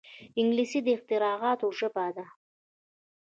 انګلیسي د اختراعاتو ژبه ده